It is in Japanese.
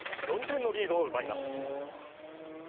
４点のリードを奪います。